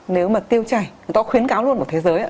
nếu mà tiêu chảy người ta khuyến cáo luôn của thế giới